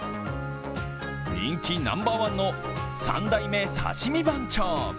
人気ナンバーワンの三代目刺身番長。